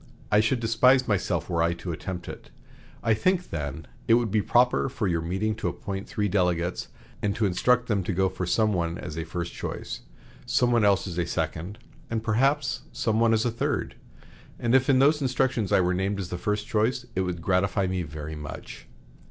I should despise myself were I to attempt it. I think, then, it would be proper for your meeting to appoint three delegates, and to instruct them to go for some one as a first choice, some one else as a second, and perhaps some one as a third; and if in those instructions I were named as the first choice it would gratify me very much.